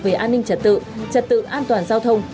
về an ninh trật tự trật tự an toàn giao thông